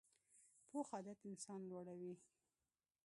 پوخ عادت انسان لوړوي